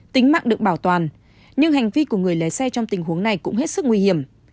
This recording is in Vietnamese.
tính mạng được bảo toàn nhưng hành vi của người lấy xe trong tình huống này cũng hết sức nguy hiểm